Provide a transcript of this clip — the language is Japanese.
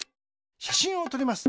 しゃしんをとります。